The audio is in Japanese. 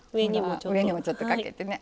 上にもちょっとかけてね。